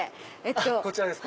こちらですか。